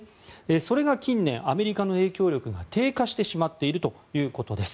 それが近年、アメリカの影響力が低下してしまっているということです。